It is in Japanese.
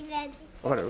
分かる？